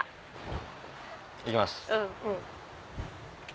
いきます。